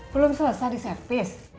belum selesai di servis